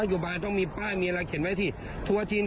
คุณเข็นไว้ตรงไหน